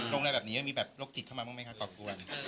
ลงอะไรแบบนี้มีแบบโรคจิตเข้ามาบ้างไหมครับขอบคุณ